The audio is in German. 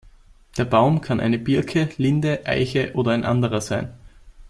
Der Baum kann eine Birke, Linde, Eiche oder ein anderer sein.